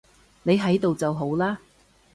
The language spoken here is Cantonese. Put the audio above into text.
你喺度就好喇